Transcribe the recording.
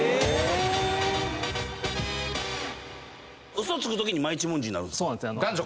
ウソつくときに真一文字になるんすか？